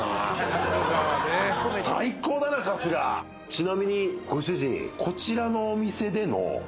ちなみにご主人。